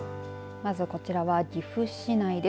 まず、こちらは岐阜市内です。